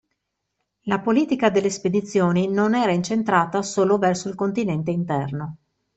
La politica delle spedizioni non era incentrata solo verso il continente interno.